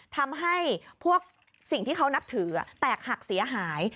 ทำให้พวกสิ่งที่เขานับถือแตกหักเสียหาย